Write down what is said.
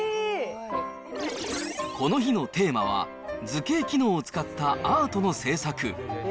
この日のテーマは、図形機能を使ったアートの制作。